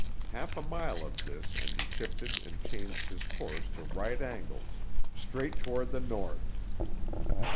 Half a mile of this and he shifted and changed his course to right angles, straight toward the north.